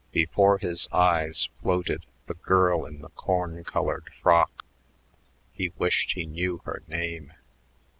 Before his eyes floated the girl in the corn colored frock. He wished he knew her name....